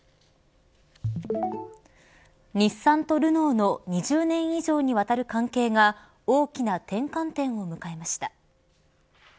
日産とルノーの２０年以上にわたる関係が大きな転換点を迎えました。